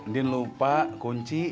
din lupa kunci